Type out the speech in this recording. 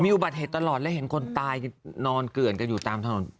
อุบัติเหตุตลอดและเห็นคนตายนอนเกลื่อนกันอยู่ตามถนน